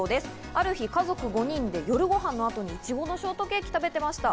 ある日、家族５人で夜ご飯のあとにいちごのショートケーキを食べていました。